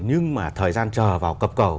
nhưng mà thời gian chờ vào cập cầu